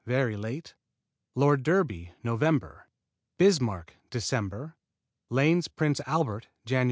Very late Lord Derby Nov. Bismarck Dec. Lane's Prince Albert Jan.